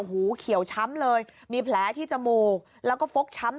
หูเขียวช้ำเลยมีแผลที่จมูกแล้วก็ฟกช้ำ